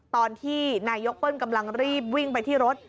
ตอนที่นายกเปิ้ลกำลังรีบวิ่งไปที่รถ